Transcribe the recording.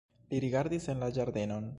Li rigardis en la ĝardenon.